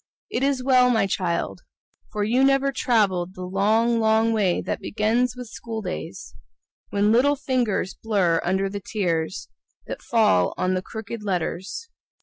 It is well, my child. For you never traveled The long, long way that begins with school days, When little fingers blur under the tears That fall on the crooked letters.